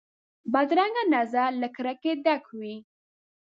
بدرنګه نظر له کرکې ډک وي